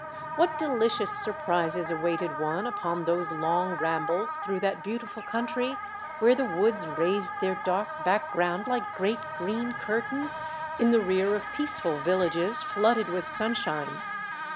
What delicious surprises awaited one upon those long rambles through that beautiful country, where the woods raised their dark background like great, green curtains, in the rear of peaceful villages flooded with sunshine